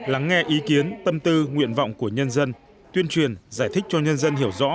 lắng nghe ý kiến tâm tư nguyện vọng của nhân dân tuyên truyền giải thích cho nhân dân hiểu rõ